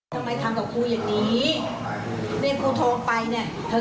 ของคุณอยู่ที่ไหน